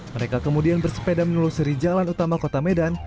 mereka kemudian bersepeda menelusuri jalan utama kota medan